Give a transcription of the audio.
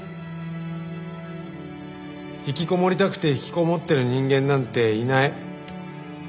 「引きこもりたくて引きこもってる人間なんていない」